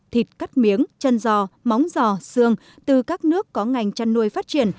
thịt cắt miếng chân giò móng giò xương từ các nước có ngành chăn nuôi phát triển